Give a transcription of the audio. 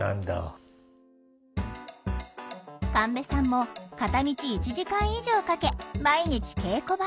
神戸さんも片道１時間以上かけ毎日稽古場へ。